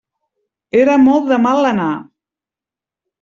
Era molt de mal anar.